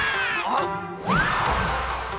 あっ！